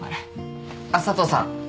あっ佐藤さん。